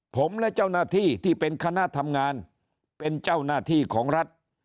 ผมและเจ้าหน้าที่ที่เป็นคณะทำงานเป็นเจ้าหน้าที่ของรัฐ